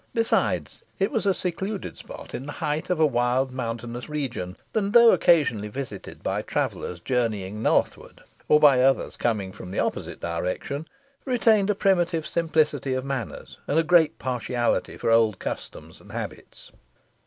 Besides, it was a secluded spot, in the heart of a wild mountainous region, and though occasionally visited by travellers journeying northward, or by others coming from the opposite direction, retained a primitive simplicity of manners, and a great partiality for old customs and habits.